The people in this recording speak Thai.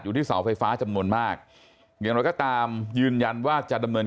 ที่เสาไฟฟ้าจำนวนมากอย่างไรก็ตามยืนยันว่าจะดำเนิน